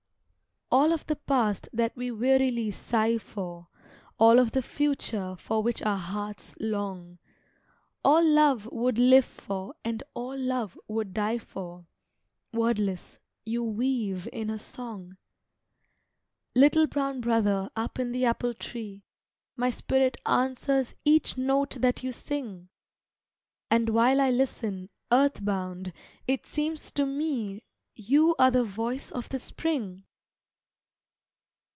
All of the past that we wearily sigh for, All of the future for which our hearts long, All Love would live for, and all Love would die for Wordless, you weave in a song. Little brown brother, up in the apple tree, My spirit answers each note that you sing, And while I listen earth bound it seems to me You are the voice of the spring.